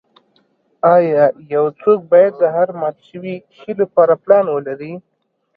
ایا یو څوک باید د هر مات شوي شی لپاره پلان ولري